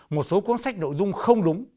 một số cuốn sách nội dung không đúng